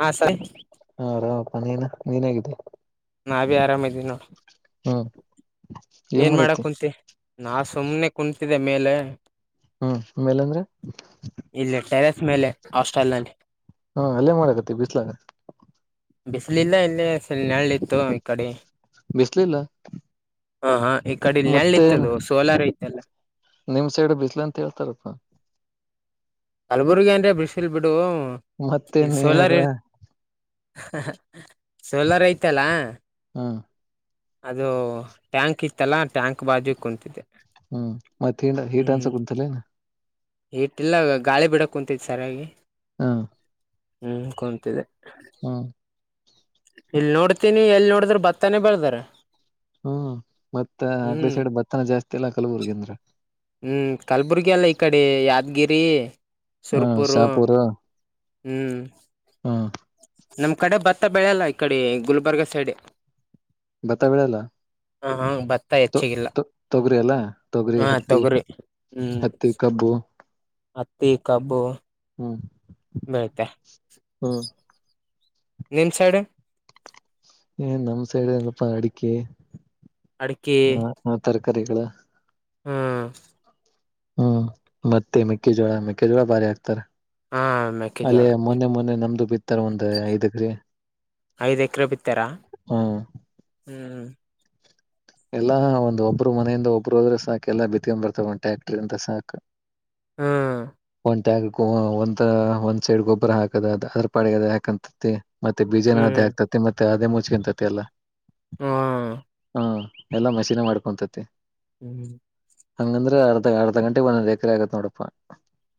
ಹಾ ಸರಿ. ಹಾ ಅರಾಮಪ್ಪ ನೀನ ನೀನ್ ಹೇಗಿದ್ದಿ. ನಾವ್ ಭಿ ಆರಾಮದೀವ್ ನೋಡ ಹ್ಮ್ ಏನ್ ಮಾಡಕುಂತಿ. ನಾ ಸುಮ್ನೆ ಕುಂತಿದೆ ಮೇಲೆ. ಹ್ಮ್ ಮೇಲೆ ಅಂದ್ರ. ಇಲ್ಲಿ ಟೆರೆಸ್ ಮೇಲೆ ಹಾಸ್ಟೆಲ್ ನಲ್ಲಿ. ಹಾ ಅಲ್ಲೇನ್ ಮಾಡಕತ್ತಿದಿ ಬಿಸ್ಲಾಗ. ಬಿಸ್ಲಿಲ್ಲ ಇಲ್ಲಿ ಫುಲ್ ನೆಳ್ಳ ಇತ್ತು ಈ ಕಡೆ. ಬಿಸ್ಲಿಲ್ಲ. ಅ ಹಾ ಈ ಕಡೆ ಇಲ್ ನೆಳ್ಳ ಮತ್ತೆ ಇತ್ತದು ಸೋಲಾರ ಇತ್ತಲ್ಲ. ನಿಮ್ ಸೈಡ್ ಬಿಸ್ಲ ಅಂತ ಹೇಳ್ತಾರಪ್ಪಾ. ಕಲಬುರ್ಗಿ ಅಂದ್ರೆ ಬಿಸಲ್ ಬಿಡು ಇಲ್ ಮತ್ತೇನ್ ಸೋಲಾರ್ ಹೇಳದ್ರ ಇರ್ ಹ ಹಾ ಸೋಲಾರ ಐತಲ್ಲಾ. ಹ್ಮ. ಅದು ಟ್ಯಾಂಕ್ ಇತ್ತಲ್ಲ ಟ್ಯಾಂಕ್ ಬಾಜು ಕುಂತಿದ್ದೆ. ಹ್ಮ್ ಮತ್ತ್ ಹಿಂಡ್ ಹೀಟ್ ಅನ್ಸಾಕುಂತಿಲ್ಲೇನ. ಹೀಟಿಲ್ಲ ಗಾಳಿ ಬಿಡಾಕುಂತೈತಿ ಸರಿಯಾಗಿ. ಹಾ. ಹ್ಮ್ ಕುಂತಿದೆ. ಹ್ಮ್. ಇಲ್ ನೋಡ್ತೀನಿ ಎಲ್ ನೋಡಿದ್ರ ಬತ್ತಾನೇ ಬೆಳ್ದಾರ. ಹ್ಮ್ ಮತ್ತ ಆಕ್ಡಿ ಹ್ಮ್ ಸೈಡ್ ಬತ್ತನ ಜಾಸ್ತಿ ಇಲ್ಲಾ ಕಲಬುರ್ಗ ಅಂದ್ರ. ಹ್ಮ್ ಕಲ್ಬುರ್ಗಿ ಅಲ್ಲ ಇಕಡೆ ಯಾದ್ಗಿರಿ. ಹ್ಮ ಶಾಪೂರ. ಹ್ಮ್. ಹಾ. ನಮ್ ಕಡೆ ಭತ್ತ ಬೆಳೆಲ್ಲ ಈ ಕಡೆ ಗುಲ್ಬರ್ಗ ಸೈಡ್. ಭತ್ತಾ ಬೆಳೆಲ್ಲ. ಉಹೂಂ ಭತ್ತ ಹೆಚ್ಚಗಿಲ್ಲ ತೊಗರಿ ಅಲ್ಲ ತೊಗರಿ ಹಾ ಹತ್ತಿ ತೊಗ್ರಿ ಹ್ಮ್. ಹತ್ತಿ ಕಬ್ಬು. ಹತ್ತಿ, ಕಬ್ಬು. ಹ್ಮ್. ಮಳ್ತೆ ಹ್ಮ. ನಿಮ್ ಸೈಡ್. ಏ ನಮ್ ಸೈಡ್ ಎನಪ್ಪ ಅಡಿಕೆ. ಅಡ್ಕೆ. ಹ್ಮ ತರ್ಕಾರಿಗಳ. ಹ್ಮ್. ಹ್ಮ್ ಮತ್ತೆ ಮೆಕ್ಕೆಜೋಳ, ಮೆಕ್ಕೆಜೋಳ ಭಾರಿ ಆಕ್ತಾರ. ಹಾ ಮೆಕ್ಕೆಜೋಳ ಅಲ್ಲೇ ಮೊನ್ನೆ ಮೊನ್ನೆ ನಮ್ದು ಬಿತ್ತಾರ ಒಂದು ಐದೆಕ್ರೆ. ಐದು ಎಕರೆ ಬಿತ್ತಾರಾ ಹ್ಮ್ ಹ್ಞ ಎಲ್ಲಾ ಒಂದ ಒಬ್ರು ಮನೆಯಿಂದ ಒಬ್ರುೋದ್ರರು ಸಾಕಕ್ ಎಲ್ಲ ಬಿತ್ಕೊಂಡ್ ಬರ್ತವ ಒಂದು ಟ್ರ್ಯಾಕ್ಟರ್ ಇಂದ ಸಾಕಕ್ ಹಾ ಒಂತ ಒಂದ್ ಸೈಡ್ ಗೊಬ್ಬರ ಹಾಕದ ಅ ಅದ್ರ ಪಾ ಅದ ಯಾಕಂತತಿ ಮತ್ತೆ ಬೀಜನ ಹ್ಮ್ ಅದೇ ಆಗ್ತೈತಿ ಮತ್ತೆ ಅದೇ ಮುಚ್ಕಂತತಿ ಎಲ್ಲಾ ಹಾ ಹ್ಮ ಎಲ್ಲಾ ಮಶೀನ್ ಮಾಡ್ಕೊಂತತಿ ಹ್ಮ್ ಹ್ಮ ಹಂಗಂದ್ರೆ ಅರ್ಧ ಅರ್ಧ ಗಂಟೆಗೆ ಒಂದರ ಎಕರೆ ಆಗತ್ ನೋಡಾ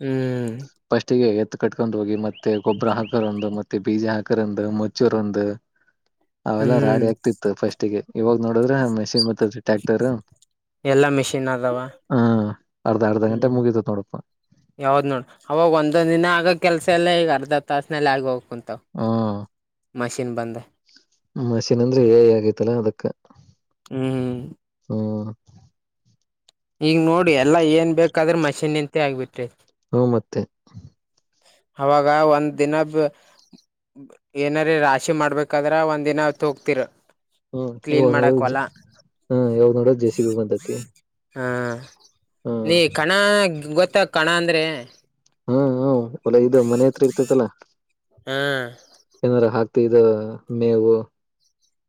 ಹ್ಮ್ ಫಸ್ಟ್ಗೆ ಎತ್ತು ಕಟ್ಕೊಂಡ್ ಹೋಗಿ ಮತ್ತೆ ಗೊಬ್ಬರ ಹಾಕರ ಒಂದು ಮತ್ತೆ ಬೀಜ ಹಾಕರ್ ಒಂದು ಮುಚ್ಚೂರ್ ಒಂದು ಅವೆಲ್ಲಾ ಹ್ಮ್ ರಾಡಿ ಆಗ್ತಿತ್ತು ಫಸ್ಟಿಗೆ ಇವಾಗ ನೋಡದ್ರೆ ಮೆಷಿನ್ ಬತ್ತದರಿ ಟ್ಯಾಕ್ಟರ್ ಹಾ ಎಲ್ಲಾ ಮಿಷಿನ್ ಅದಾವ ಅರ್ಧ ಅರ್ಧ ಗಂಟೆ ಹ್ಮ್ ಮುಗಿತ ನೋಡಪ್ಪ ಯಾವ್ದ್ ನೋಡು ಅವಾಗ ಒಂದೊಂದ ದಿನ ಆಗ ಕೆಲ್ಸ ಎಲ್ಲ ಈಗ ಅರ್ಧ ತಾಸನಲ್ಲಿ ಆಗಬೇಕ ಕುಂತ ಹ್ಮ ಮಷಿನ್ ಅಂದ್ರೆ ಹೇ ಆಗೈತಲ್ಲಾ ಅದಕ್ಕ ಹ್ಮ್್ಮ ಹ್ಮ ಈಗ ನೋಡಿ ಎಲ್ಲ ಏನ್ ಬೇಕಾದ್ರೆ ಮಷಿನ್ಂತೆ ಆಗ್ಬಿಟ್ರೆ ಹ್ಮ ಮತ್ತೆ ಅವಾಗ ಒಂದ್ ದಿನ ಏನಾರ ರಾಶಿ ಮಾಡ್ಬೇಕಾದ್ರ ಒಂದ್ ದಿನತ್ ಹೋಗತಿರ ಹ್ಮ್ ಇವಾಗ್ ನೋಡೋ ಹ್ಮ್ ಯಾವಾಗ್ ನೋಡೋ ಜೆ ಸಿ ಬಿ ಬಂದತಿ ಹಾ ನೀ ಕಣ ಗೊತ್ತ ಕಣ ಅಂದ್ರೆ ಹ್ಮ್ ಹ್ಮ ಒಲ ಇದು ಮನೆ ಹತ್ರ ಇರ್ತೇತಲ್ಲಾ ಹ್ಮ್ ಏನಾರ ಹಾಕ್ತಿ ಇದು ಮೇವು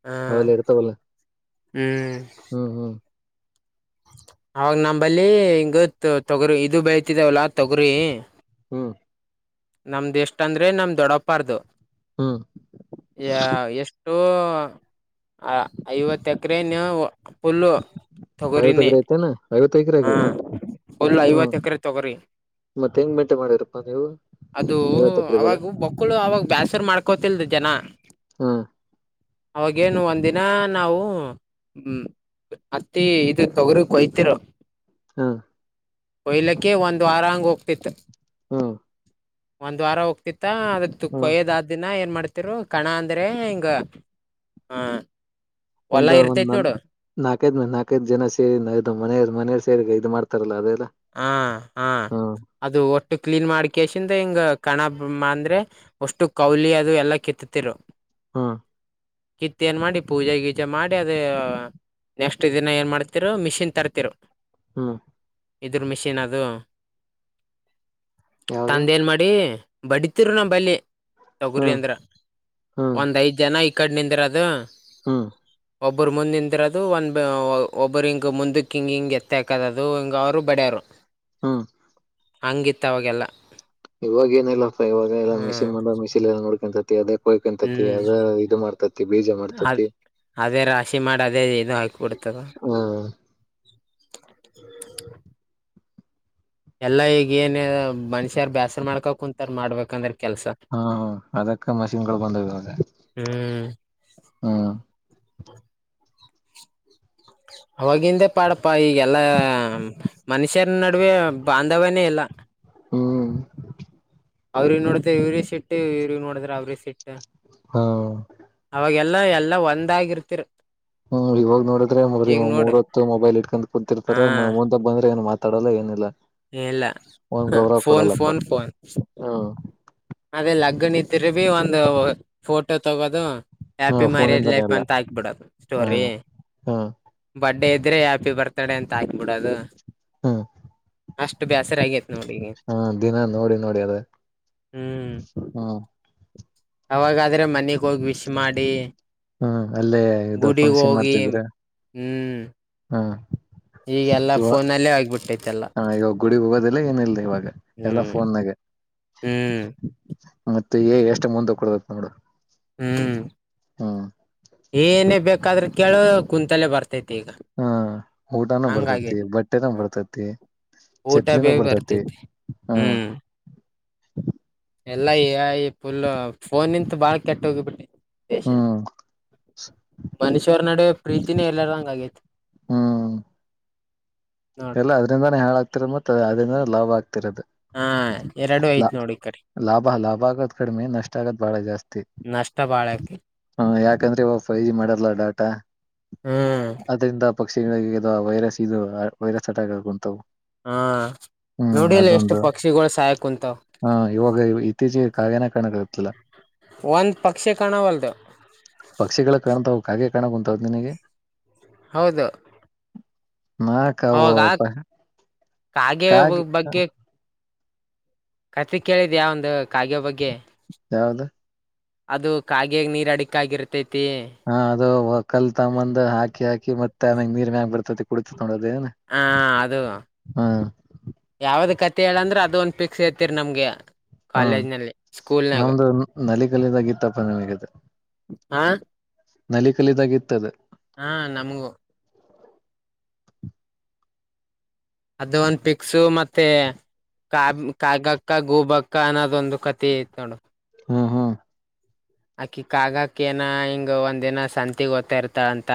ಹಾ ಅವೆಲ್ಲ ಇರ್ತಾವಲ್ಲ ಹ್ಮ್ ಹ್ಮ್ ಹ್ಮ್ ಅವಾಗ ನಮಂಬಲ್ಲಿ ಹಿಂಗ ತೊಗರಿ ಇದು ಬೆಳತಿದವಲ್ಲ ತೊಗರಿ ಹ್ಮ್ ನಮ್ದ್ ಎಷ್ಟ ಅಂದ್ರೆ ನಮ್ ದೊಡ್ಡಪ್ಪಾರದುು ಹ್ಮ ಯ ಎಷ್ಟು ಅ ಐವತ್ತ ಎಕರೆ ನೀ ಪುಲ್ಲ ಐವತ್ತುಕ್ರ ಐತೆತನಾ ಐವತ್ತುೈಕ್ರ ಹಾಕಿದ್ರ ಒಲ್ಲಾ ಐವತ್ ಎಕರೆ ತೊಗ್ರಿ ಮತ್ತತ್ ಹೆಂಗ್ ಮೆಂಟೆ ಮಾಡಿರಪ್ಪಾ ನೀವು ಅದು ಐವತ್ತ ಎಕರೆ ಹೊಲ ಅವಾಗ ಮಕ್ಕಳು ಅವಾಗ ಬೇಾಸರ್ ಮಾಡ್ಕೋತಿಲ್ದ ಜನ ಹಾ ಅವಾಗೇನು ಒಂದಿನ ನಾವು ಹ್ಮ ಹತ್ತಿ ಇ ತೊಗರಿ ಕೊಯ್ತಿೀರ ಹ್ಮ ಕೊಯ್ಲಕ್ಕೆ ಒಂದ್ ವಾರಾಂಗ್ ಹೋಗ್ತಿತ್ತು. ಹಾ ಒಂದ್ ವಾರ ಹೋಗ್ತಿತ್ತ ಅದ ಹ್ಮ್ ಕೊಯ್ಯದಾದ ದಿನ ಏನ್ ಮಾಡ್ತಿ ರು ಕಣ ಅಂದ್ರೆ ಹಿಂಗ ಹ. ಮುಂದಾಗಂದ ನಾಕೈದ್ ಮ ನಲ್ಕೈದ ಜನ ಸೇರಿದು ಮೆಯ ಮನೆಯರ್ ಸೇರಿಗ ಇದ್ ಮಾಡ್ತಾರಲ್ಲ ಅದೆಲ್ಲ ಹ ಹಾ ಹ್ಮ್ ಅದು ಒಟ್ಟು ಕ್ಲೀನ್ ಮಾಡಕಸಿಂದ ಹಿಂಗ ಕಣ ಅಂದ್ರೆ ವಷ್ಟು ಕೌಲಿ ಅದು ಎಲ್ಲಾ ಕೆತ್ತತಿರು. ಹಾ ಕಿತ್ತೆನ್ ಮಾಡಿ ಪೂಜೆ ಗಿಜೆ ಮಾಡ್ ಅದ. ನೆಕ್ಸ್ಟ್ ದಿನ ಏನ್ ಮಾಡ್ತಿರು ಮಿಷಿನ್ ತರ್ತಿರು. ಹ್ಮ ಇದ್ರು ಮಿಷಿನ್ ಅದು ಯಾವ್ದು ತಂದೇನ್ ಮಾಡಿ. ಬಡಿತಿರು ನಮ್ ಬಲ್ಲಿ ತೊಗರಿ ಹ್ಮ್ ಅಂದ್ರ ಹ್ಮ್ ಒಂದ್ ಐದ್ ಜನ ಈ ಕಡೆ ನಿಂದ್ರದು. ಹಾ ಒಬ್ಬರು ಮುಂದೆ ನಿಂದಿರೋದು ಒಂದು ಒಬ್ಬರು ಹಿಂಗ ಮುಂದಕ್ಕೆ ಹಿಂ ಹಿಂಗೆ ಎತ್ತ ಹಾಕದ ಅದು ಹಿಂಗ ಅವರು. ಬಡ್ಯರು. ಹ್ಮ ಹಂಗಿತ್ತು ಅವಾಗೆಲ್ಲ. ಇವಾಗ ಏನಿಲ್ಲಪ್ಪಾ ಇವಾಗ ಎಲ್ಲ ಹ್ಮ್ ಮಷೀನ್ ಬಂದ ಮೆಷಿನ್ ಎಲ್ಲ ನೋಡ್ಕೊಂತತಿ ಅದೇ. ಕೊಯ್ಕತೇತಿ ಹ್ಮ್ ಅದೆ ಇದು ಮಾಡ್ತತಿ ಬೀಜ ಅದ್ ಮಾಡ್ತತಿ. ಅದೇ ರಾಶಿ ಮಾಡಿ ಅದೇ ಇದು ಹಾಕಿಬಿಡ್ತದ. ಹ್ಮ ಎಲ್ಲಾ ಈಗ ಏನ್ ಮನುಷ್ಯಾರ ಬೇಸ್ರ ಮಾಡ್ಕಾ ಕುಂತಾರ ಮಾಡ್ಬೇಕಂದ್ರ ಕೆಲ್ಸ. ಹಾ ಹ ಅದಕ್ಕ ಮಷಿನ್ಗಳು ಬಂದವ್ ಇವಾಗ. ಹ್ಮ್ ಹ ಅವಗಿಂದೆ ಪಾಡಪ್ಪ ಈಗೆಲ್ಲಾ. ಮನುಷ್ಯರ ನಡುವೆ ಬಾಂಧವನೇ ಇಲ್ಲ. ಹ್ಮ್ ಅವ್ರಿಗ್ ನೋಡತ ಇವ್ರ ಸಿಟ್ಟು ಇವ್ರ ನೋಡ್ರ ಅವ್ರ ಸಿಟ್ ಹಾ ಅವಾಗೆಲ್ಲಾ ಎಲ್ಲಾ ಒಂದಾಗಿರ್ತಿರಿ. ಹ್ಮ್ ಇವಾಗ ನೋಡಿದ್ರೆ ಬರಿ ಮೂರ ನೋಡು ಹೊತ್ತು ಮೊಬೈಲ್ ಇಟ್ಕೊಂಡ್ ಹಾ ಕುಂತಿರ್ತಾರೆ. ಬಂದ್ರೆ ಏನು ಮಾತಾಡಲ್ಲ ಏನಿಲ್ಲ. ಇಲ್ಲ ಫೋನ್ ಫೋನ್ ಫೋನ್. ಹಾ ಅದೇ ಲಗ್ಗನ್ ಇದರು ಬಿ ಒಂದು ಫೋಟೋ ತಗೋದು. ಹ್ಯಾಪಿ ಹ ಮ್ಯಾರೀಡ್ ಫೋನಿಂದಾನೇ ಲೈಫ್ ಎಲ್ಲ ಅಂತ ಆಕ್ಬಿಡದು ಸ್ಟೋರಿ. ಹ್ಮ್ ಹ್ಮ್ ಬರ್ಡೇ ಇದ್ರೆ ಹ್ಯಾಪಿ ಬರ್ತ್ಡೇ ಅಂತ ಹಾಕ್ಬಿಡದು. ಹ್ಮ್ ಅಷ್ಟು ಬೇಸರ ಅಗೆತಿ ನೋಡಿ ಈಗ. ಹಾ ದಿನಾ ನೋಡಿ ನೋಡಿ ಅದೇ. ಹ್ಮ್ ಹ ಅವಾಗಾದ್ರೆ ಮನೆಗ ಹೋಗಿ ವಿಶ್ ಮಾಡಿ ಹ್ಮ್ ಅಲ್ಲೇ ಇದು ಗುಡಿಗೆ ಫಂಕ್ಷನ್ ಹೋಗಿ. ಹ್ಮ್ ಹಾ ಈಗೆಲ್ಲಾ ಹ ಫೋನಲ್ಲೇ ಆಗ್ಬಿಟ್ಟೈತೆಲ್ಲ ಹ ಈಗ ಗುಡಿಗ್ ಹೋಗೋದಿಲ್ಲ ಏನಿಲ್ಲದೆ ಇವಾಗ ಎಲ್ಲ ಹ್ಮ್ ಫೋನ್ಗ. ಹ್ಮ್ ಮತ್ತೆ ಏ ಎಷ್ಟು ಮುಂದ ಕೊಡುದತ್ ನೋಡು ಹ್ಮ್ ಹ್ಮ್ ಏನೇ ಬೇಕಾದ್ರೂ ಕೇಳೋ ಕುಂತಲ್ಲೇ ಬರ್ತೈತಿ ಈಗ ಹ್ಮ ಊಟಾನ ಹಂಗಾಗಿ ಬರ್ತತಿ ಬಟ್ಟೆನ ಬರ್ತತಿ ಊಟ ಬೇ ಚಪ್ಲಿನ ಬರ್ತೈತಿ ಹ್ಮ್ ಎಲ್ಲ ಈ ಈ ಫುಲ್ ಫೋನ್ಂತ ಬಾಳ ಕೆಟ್ಟ ಹೋಗಿಬಿಟ್ಟೆ ಹ್ಮ್ ಮನುಷ್ಯರ ನಡುವ ಪ್ರೀತಿನೇ ಎಲ್ಲರ ಹಂಗ ಆಗೇತಿ ಹ್ಮ್ ನೋಡ ಎಲ್ಲ ಅದ್ರಿಂದಾನೇ ಹ ಹೇಳಳ ಆಗ್ತಿರದು ಮತ್ತ ಅದ್ರಿಂದ ಲಾ್ ಆಗ್ತಿರೋದು ಹಾ ಎರಡು ಐತ್ ನೋಡಿ ಕರಿ ಬಾಳ ಲಾಭ ಆಗೋದು ಕಡಿಮೆ ನಷ್ಟ ಆಗೋತ್ ಬಾಳ ಜಾಸ್ತಿ ನಷ್ಟ ಬಾಳಕ್ಕೆೆ ಹಾ ಯಾಕಂದ್ರೆ ಇ ಫೈ ಜಿ ಮಾಡಲ್ಲ ಡಾಟಾ ಹ್ಮ್ ಅದ್ರಿಂದ ಪಕ್ಷಿಗಳಿಗೆದು ಆ ವೈರಸ್ ಇದು ವೈರಸ್ ಅಟ್ಯಾಕ್ ಆಗ ಉಂಂತವು ಹಾ ನೋಡಿಲ್ಲ ಎಷ್ಟು ಪಕ್ಷಿಗಳು ಸಾಯಕ ಕುಂಂತಾವ ಹಾ ಇವಾಗ ಇತ್ತೀಚೆಗೆ ಕಾಗನ ಕಾಣಕ್ಕಾಗತ್ತಲ್ಲ ಒಂದು ಪಕ್ಷಿ ಕಾಣವಲ್ಲದು ಪಕ್ಷಿಗಳ ಕಾಣ್ತಾವ ಕಾಗೆ ಕಾಣ ಉಂಂತ್ ನಿನಗೆ ಹೌದು ನಕಾವ ಅವಾಗ ಕಾಗೆ ಬಗ್ಗೆ ಕತೆ ಕೇಳಿದ ಯ ಒಂದು ಕಾಗ್ಯ ಬಗ್ಗೆ ಯಾವ್ದ ಅದು ಕಾಗಾಗ ನೀರ್ ಅಡಿಿಕ ಆಗರ್ತೈತಿ ಹಾ ಅದು ಕಲ್ತಮ್ಮಂದ್ ಹಾಕಿ ಹಾಕಿ ಮತ್ತೆ ಆಮ್ಯಾಗ ನೀರ್ ಮ್ಯಾಗ ಬರ್ತತಿ ಕುಡಿತ ತೊೋದೇ ಹಾ ಅದು ಯಾವ್ದ ಕತೆೆ ಹೇಳಂದ್ರೆ ಅದ ಒಂದ ಫಿಕ್ಸ್ ೇತಿೀರಿ ನಮ್ಗೆ ಹ್ಮ ಕಾಲೇಜ್ನಲ್ಲಿ ಸ್ಕೂಲ್ನಾಗ ನಮ್ದ ನಲಿಗಲಿದಾಗತ್ತಪ್ಪ ನಿಮಗತೆ ಹಾ ನಲಿ ಕಲಿದಾಗ ಇತ್ತದೆ ಹಾ ನಮಗೂ ಅದು ಒಂದು ಪಿಕ್ಸು ಮತ್ತೆ ಕಾ ಕಾಗಕ್ಕ ಗೂಬಕ್ಕ ಅನ್ನೋದೊಂದು ಕಥೆ ಐ ನೋಡು ಹಾ ಹಾ ಅಕಿ ಕ ಆಾಗಕ್ಕ ಏನ ಹಿಂಗ ಒಂದಿನ ಸಂತಗ್ ಓದತಾ ಇರ್ತಾಳಂತ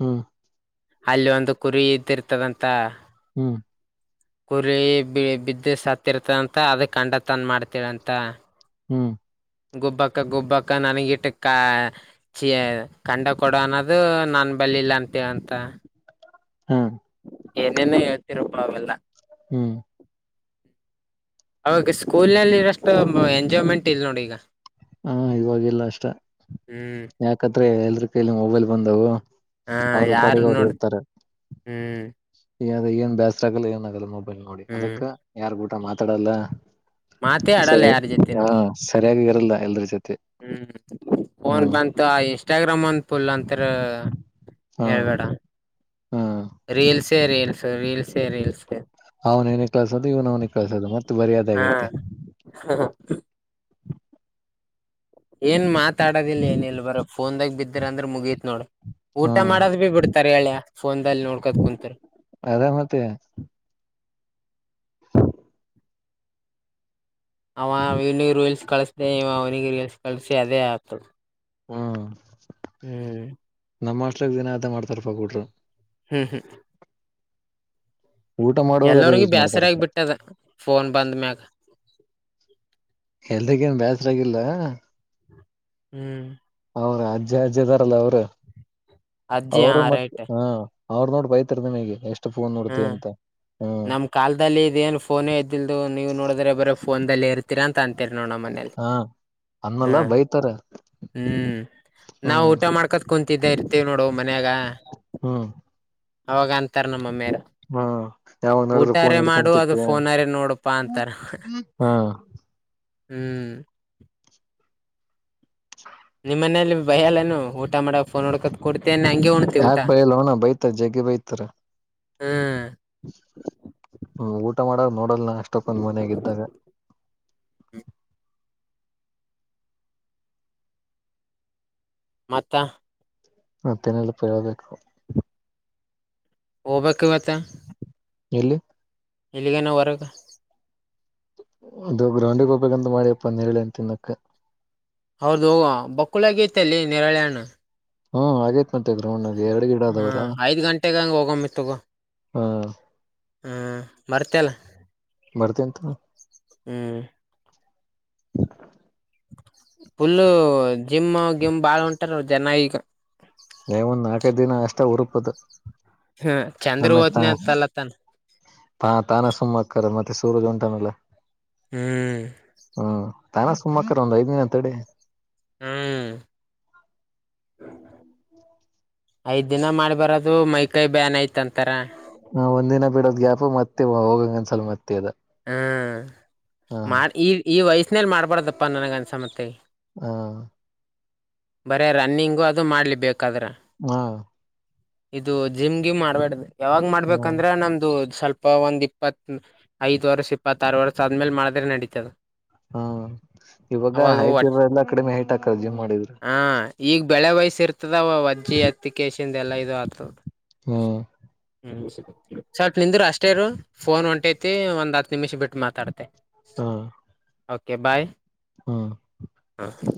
ಹ್ಮ್ ಅಲ್ಲಿ ಒಂದು ಕುರಿ ಇದ್ದಿರ್ತದಂತ ಹ್ಮ್ ಕುರಿ ಬಿ ಬಿದ್ದು ಸತ್ತರ್ತಂತ ಅದ ಕಂಡ ತಂದ ಮಾಡ್ತರಂತ ಹ್ಮ್ ಗೊಬ್ಬಕ್ಕ ಗೊಬ್ಬಕ್ಕ ನನಗಿಟ್ಟ ಕ ಸಿ ಕಂಡ ಕೊಡ ಅನ್ನೋದು ನನ್ ಬಲಿಲ್ಲ ಅಂತೀವ ಅಂತ ಹಾ ಏನೇನ ಹೇಳ್ತಿೀರಪ್ಪ ಅವೆಲ್ಲ ಹ್ಮ್ ಅವಾಗ ಸ್ಕೂಲ್ ನಲ್ಲಿರಷ್ಟು ಎಂಜಾಯ್ಮೆಂಟ್ ಇಲ್ ನೋಡಿ ಈಗ ಹಾ ಇವವಾಗಿಲ್ಲ ಅಷ್ಟ ಹ್ಮ್ ಯಾಕತ್ರೆ ಎಲ್ರಿ ಕೈಲ್ಲಿ ಮೊಬೈಲ್ ಬಂದವು ಹಾ ಅವ್ರು ಯಾರು ಪಡೆಗ ಅವ್ರು ನೋಡ ಹೇಳ್ತಾರೆ ಹ್ಮ್ ಈದ ಏನ್ ಬ್ಯಾಸ್ರ ಆಗಲ್ಲ ಏನ್ ಆಗಲ್ಲ ಮೊಬೈಲ್ ನೋಡಿ ಹ್ಮ್ ಅದಕ್ಕ ಯಾರ್ ಊಟ ಮಾತಾಡಲ್ಲ ಮಾತೇ ಆಡಲ್ಲ ಸರಿ ಯಾರ ಹಾ ಜೊತೆನು ಸರಿಯಾಗಿ ಇರಲ್ಲ ಎಲ್ರ ಜೊತೆ ಹ್ಮ್ ಹ್ಮ ಫೋನ್ ಬಂತ ಇನ್ಸ್ಟಾಗ್ರಾಮ್ ಅಂದ ಪಫುಲ್ ಅಂತರ ಹಾ ಹೇಳ್ಬೇಡ ಹಾ ರೀಲ್ಸ ರೀಲ್ಸ್ ರೀಲ್ಸ ರೀಲ್ಸ್ ಅವ್ನೇಏನ ಕಳಸೋದು ಇವ್ ಅವನಿಗೆ ಕಳ್ಸೋದು ಮತ್ತೆ ಬರ್ಯಾದಾಗೈತೆ ಹಾ ಹಾ ಏನ್ ಮಾತಾಡೋದಿಲ್ಲ ಏನ ಇಲ್ ಬರ ಫನ್ದಾಗ ಬಿದ್ದ್ರ ಅಂದ್ರ ಮುಗಿಯತ್ ನೋಡ ಊಟ ಹ್ಮ್ ಮಾಡೋದ್ ಭ ಬಿಡ್ತಾರೆ ಹೇಳ ಫೋನ್ಲ್ಲಿ ನೋಡ್ಕೋತ್ ಕುಂತ್ರು ಅದ ಮತ್ತೆ ಅವ ಇವನಿಗೆ ರೀಲ್ಸ್ ಕಳಿಸ್ದೆ ಇ ಅವನಿಗೆ ರೀಲ್ಸ್ ಕಳಿಸಿ ಅದೇ ಆಗ್ತಳು ಹ್ಮ ಹ್ಮ್ ನಮ್ಮ ಅಷ್ಟ್ರಿಗೆ ದಿನನ ಅದ ಮಾಡ್ತಾರರ್ಪ್ಪಗಿಟ್ರು ಹ್ಮ್ ಹ್ಮ್ ಊಟ ಮಾಡುವಾಗ ಅದೇ ಎಲ್ಲರಿಗ ಯೂಸ್ ಬೇಸರ ಆಗ ಮಾಡ್ತಾರಪ್ಪ ಬಿಟ್ಟದ ಫೋನ್ ಬಂದ ಮ್ಯಾಗ ಎಲ್ದಗೇಏನ್ ಬೇಸರಾಗಿಲ್ಲ ಹ್ಮ್ ಅವ್ರ ಅಜ್ಜೆ ಅಜ್ಜದಾರಲ್ಲ ಅವರು ಅಜ್ಜಿ ಹಾ ಅವರು ಮತ್ತ ರೈಟ್ ಹಾ ಅವ್ರು ನೋಡ್ ಬೈತರ್ ನಿಮಗೆ ಎಷ್ಟು ಫೋನ್ ನೋಡ್ತಿ ಹ್ಮ್ ಅಂತ ಹ್ಮ ನಮ್ ಕಾಲದಲ್ಲಿ ಇದ ಏನ್ ಫೋನೇ ಇದ್ದಲ್ದು ನೀವು ನೋಡಿದ್ರೆ ಬರ ಫೋನ್ಲ್ಲಿ ಇರ್ ಸ್ಥಿರಂತ ಅಂತೀರ್ ನೋ ನಮ್ಮ ಮನೇಲಿ ಹಾ ಅನ್ನಲ್ಲಾ ಬೈತಾರೆ ಹ್ಮ್ ನಾವವು ಊಟ ಮಾಡ್ಕತ್ ಕುಂತಿದ್ದ ಇರ್ತಿೀವಿ ನೋಡು ಮನ್ಯಾಗ ಹ್ಮ್ ಅವಾಗ ಅಂತಾರ ನಮ್ಮ ಮೇಲೆ ಹಾ ಯಾವ ನೋಡಿದ್ರೆ ಫೋನ್ ಅದು ಹಿಡ್ಕಂತತ್ತು ಫೋನರೆ ನೋಡಪಾ ಅಂತಾರ ಹಾ ಹ್ಮ್ ಹ ನಿಮ್ಮ ಮನಲಿ ಭಯ ಅಲ್ಲೇನು ಊಟ ಮಾಡಕ ಫೋನ್ ನೋಡ್ಕತ್ ಕೊಡ್ತೇನೆ ಹಂಗಗೆ ಉಣತಿೀ ಊಟ ಯಾಕ್ ಬೈಯಲ್ಲೋಣ ಬೈತಾರ ಜಗ್ಗಿ ಬೈತಾರ ಹ್ಮ್ ಹ್ಮ್ ಊಟ ಮಾಡಾರ ನೋಡಲ್ಲ ನ ಅಷ್ಟೊಕ್ಕೊಂದ್ ಮನ್ಯಾಗ ಇದ್ದಾಗ ಹ ಮತ್ತ ಮತ್ತೆನೆಲ್ಲ ಪರೋಬೇಕು ಓಬೆಕ್ ಮತ್ತ ಎಲ್ಲಿ ಎಲ್ಲಿಗಿನ ವರಗ ಇದು ಗ್ರೌಂಡಿಗೆ ಹೋಗ್ಬೇಕ ಅಂತ ಮಾಡಿ ಅಪ್ಪ ಅಂದ ಹೇಳಿ ಅಂತ ತಿನ್ನಕ್ಕೆ ಹೌದದು ಹ ಬಕ್ಕುಳ ಗೈತ ಅಲ್ಲಿ ನೆರಾಳೆಣ್ಣ ಹ್ಮ್ ಹಾಗೇತ್ ಮತ್ತ ಗ್ರೌಣ್ಣಿ ಎರಡು ಗಿಡ ಆದದವರ ಹ್ಮ್ ಐದ್ ಗಂಟೆಗ ಹಂಗ ಹೋಗಮ್ಮಿ ಹಾ ಹ್ಞ ಮರ್ತಲ್ಲ ಬರ್ತಂತ ಹ್ಮ್ ಹ ಫುಲ್ಲ ಜಿಮ್ ಗಿಮ್ ಬಾಳ ಉಂಟಾರ ಜನ ಈಗ ನ ಒಂದ್ ನಾಲ್ಕೈ ದಿನ ಅಷ್ಟ ಉರುಪದು. ಹ್ಮ್ ಚಂದ್ರು ಹೊದ್ನ ಅಂತಲತಾನ ಹಾ ತಾನೇ ಸುಮ್ಮ್ ಆಕ್ಕಾರೆ ಮತ್ತೆ ಸೂರಜ್ ಉಂಟಾನಲ್ಲ ಹ್ಮ್ ಹ್ಮ್ ತಾನ ಸುಮ್ಮಾಕ್ಕ ಒಂದ್ ಐದ ದಿನ ತಡೆ ಹ್ಮ್ [unintelligible] ಐದ್ ದಿನ ಮಾಡಿ ಬರೋದು. ಮೈ ಕೈ ಬ್ಯಾನ್ ಐತ್ ಅಂತಾರ ಹ ಒಂದ್ನ ಬಿಡೋದ್ ಗ್ಯಾಪ್ ಮತ್ತೆ ಹೋಗಂಗಂದಸಲ್ ಮತ್ತೆ ಅದ ಹಾಞ ಹ ಮಾಡಿ ಈ ಈ ವಯಸ್ಸಿನಲ್ಲಿ ಮಾಡಬಾರ್ದಪ್ಪ ನನಗೆ ಅಂದುಸಮ್ಮಟ್ಟಿಗೀ ಹಾ ಬರೇ ರನ್ನಿಂಗು ಅದು ಮಾಡ್ಲಿಬೇಕಾದ್ರೆ. ಹಾ ಇದು ಜಿಮ್ಗೆ ಮಾಡ್ಬೇಡ್ದ ಯಾವಾಗ್ ಹ್ಮ್ ಮಾಡ್ಬೇಕಂದ್ರೆ ನಮ್ದು ಸ್ವಲ್ಪ ಇಪ್ಪ ಒಂದ್ ಇಪ್ಪತ್ ಐದ ವರ್ಷ ಇಪ್ಪತ್ತ ಆಾರು ವರ್ಷ ಆದ್ಮೇಲೆ ಮಾಡಿದ್ರೆ ನಡೀತದ ಹ್ಮ ಇವಾಗ ಅವಾಗ ಐತ ಹೊಟ್ಟಿ ಇರ ಎಲ್ಲಾ ಕಡಿಮೆ ಐಟ್ ಹಾಕಲ್ಲ ಜಿಮ್ ಮಾಡಿದ್ರರು ಹಾ ಈಗ ಬೆಳೆ ವಯಸ್ಸ ಇರ್ತದವ ಅಜ್ಜಿ ಅತ್ತಿಕೇಶನ್ ಎಲ್ಲ ಇದು ಆಗ್ತದದೆ ಹ್ಮ್ ಹ್ಮ್ಸ ಸ್ವಲ್ಪ ನಿಂದರು ಅಷ್ಟೇರು ಫೋನ್ ಒಂಟೈತಿ ಒಂದ್ ಹತ್ ನಿಮಿಷ ಬಿಟ್ಟ ಮಾತಾಡ್ತೆ ಹಾ ಓಕೆ ಬಾಯ್ ಹಾ ಹಾಂ